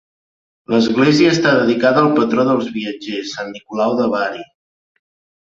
L'església està dedicada al patró dels viatgers, sant Nicolau de Bari.